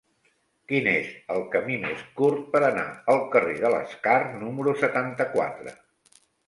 Quin és el camí més curt per anar al carrer de l'Escar número setanta-quatre?